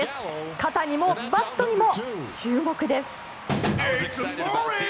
肩にもバットにも注目です。